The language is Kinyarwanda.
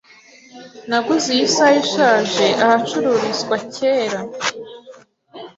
Naguze iyi saha ishaje ahacururizwa kera